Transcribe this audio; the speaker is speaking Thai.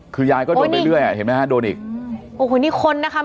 คือยายก็โดนเรื่อยเรื่อยอ่ะเห็นไหมฮะโดนอีกโอ้โหนี่ค้นนะคะ